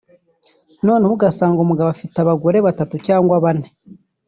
noneho ugasanga umugabo afite abagore batatu cyangwa bane